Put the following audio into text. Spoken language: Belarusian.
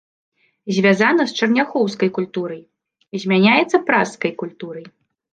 Звязана з чарняхоўскай культурай, змяняецца пражскай культурай.